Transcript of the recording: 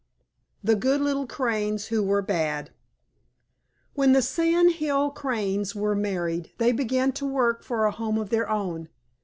THE GOOD LITTLE CRANES WHO WERE BAD When the Sand Hill Cranes were married, they began to work for a home of their own.